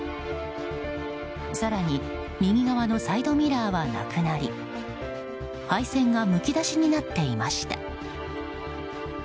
更に右側のサイドミラーはなくなり配線がむき出しになっていました。